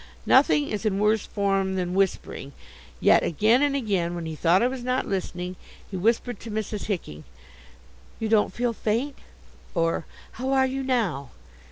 Nothing is in worse form than whispering, yet again and again, when he thought I was not listening, he whispered to Mrs. Hicking, "You don't feel faint?" or "How are you now?"